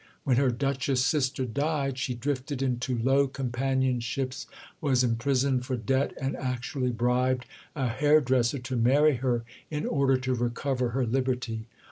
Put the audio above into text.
When her Duchess sister died she drifted into low companionships, was imprisoned for debt, and actually bribed a hairdresser to marry her, in order to recover her liberty.